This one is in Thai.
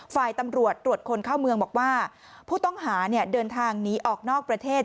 ฝ่ายตำรวจตรวจคนเข้าเมืองบอกว่าผู้ต้องหาเดินทางหนีออกนอกประเทศ